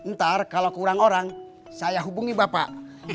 ntar kalau kurang orang saya hubungi bapak